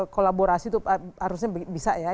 kolaborasi itu harusnya bisa ya